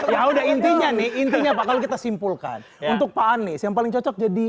ya udah intinya nih intinya pak kalau kita simpulkan untuk pak anies yang paling cocok jadi